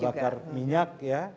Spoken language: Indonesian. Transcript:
bakar minyak ya